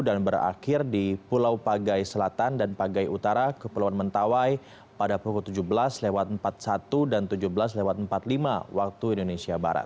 dan berakhir di pulau pagai selatan dan pagai utara kepulauan mentawai pada pukul tujuh belas lewat empat puluh satu dan tujuh belas lewat empat puluh lima waktu indonesia barat